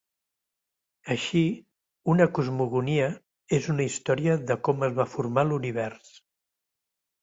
Així, una cosmogonia és una història de com es va formar l'univers.